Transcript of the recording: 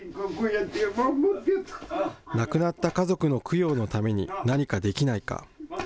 亡くなった家族の供養のために何かできないか。